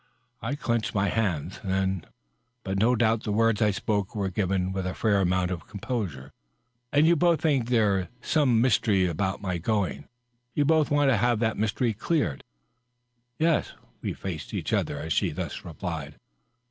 '' I clinched my hands, then, but no doubt the words I spoke were given with a fair amount of composure. *^ And you both tUnk there is some mystery about my going ? You both want to have that mystery cleared?" " Yes." We &ced each other as she thus replied.